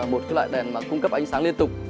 một cái loại đèn mà cung cấp ánh sáng liên tục